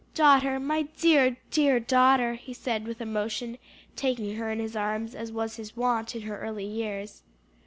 "Daughter, my dear, dear daughter!" he said with emotion, taking her in his arms as was his wont in her early years.